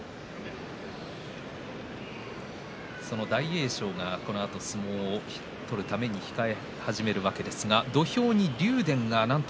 その大栄翔が、このあと相撲を取るために控え始めるわけですが土俵上に竜電なんと